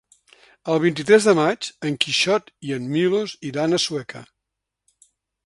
El vint-i-tres de maig en Quixot i en Milos iran a Sueca.